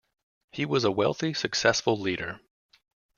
He was a wealthy, successful leader.